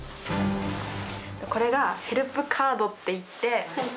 これがヘルプカードっていって。